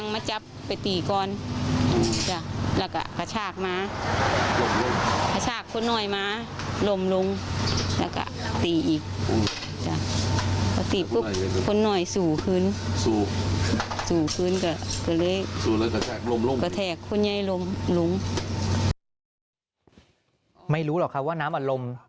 ไม่รู้หรอกครับว่าน้ำอารมณ์